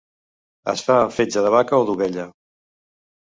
Es fa amb fetge de vaca o d'ovella.